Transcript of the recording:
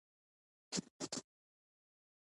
اسکندر مقدوني افغانستان ته راغلی و